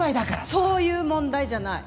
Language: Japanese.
そういう問題じゃない。